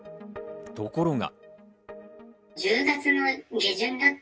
ところが。